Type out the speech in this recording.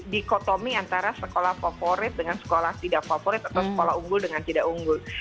dikotomi antara sekolah favorit dengan sekolah tidak favorit atau sekolah unggul dengan tidak unggul